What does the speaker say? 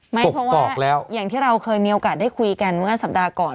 ไม่เพราะว่าอย่างที่เราเคยมีโอกาสได้คุยกันเมื่อสัปดาห์ก่อน